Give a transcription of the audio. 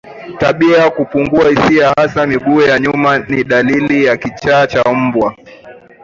Tabia ya kupungua hisia hasa miguu ya nyuma ni dalili ya kichaa cha mbwa